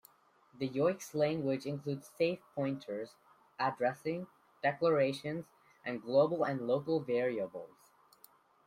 The Yoix language includes safe pointers, addressing, declarations, and global and local variables.